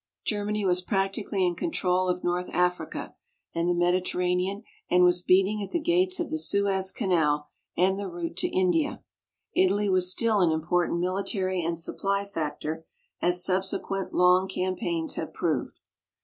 Germany was practically in control of North Africa and the Mediterranean, and was beating at the gates of the Suez Canal and the route to India. Italy was still an important military and supply factor as subsequent, long campaigns have proved.